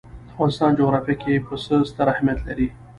د افغانستان جغرافیه کې پسه ستر اهمیت لري.